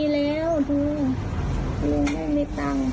คืออย่าเขามี